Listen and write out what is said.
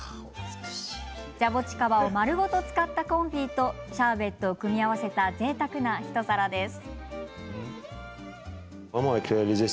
ジャボチカバを丸ごと使ったコンフィとシャーベットを組み合わせたぜいたくな一皿です。